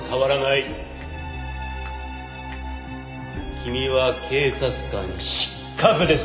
君は警察官失格です。